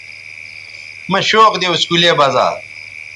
مہ شوق دے اسکولے بزا